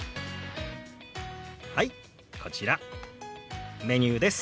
はいこちらメニューです。